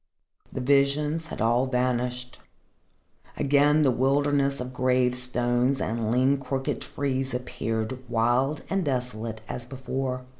The visions had all vanished. Again the wilderness of gravestones and lean, crooked trees appeared, wild and desolate as before.